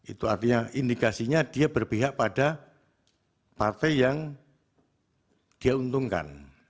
itu artinya indikasinya dia berpihak pada partai yang dia untungkan